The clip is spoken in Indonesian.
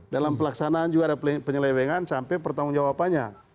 dalam pelaksanaan juga ada penyelewengan sampai pertanggung jawabannya